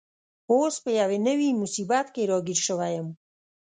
اوس په یوه نوي مصیبت کي راګیر شوی یم.